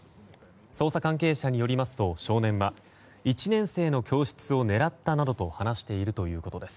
捜査関係者によりますと少年は１年生の教室を狙ったなどと話しているということです。